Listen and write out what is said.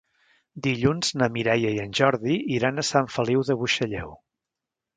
Dilluns na Mireia i en Jordi iran a Sant Feliu de Buixalleu.